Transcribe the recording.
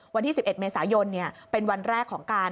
วันที่๑๑เมษายนเป็นวันแรกของการ